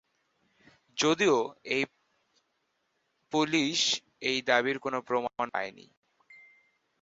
যদিও পুলিশ ঐ দাবির কোন প্রমাণ পায়নি।